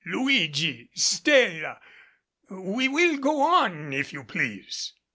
Luigi, Stella, we will go on if you please."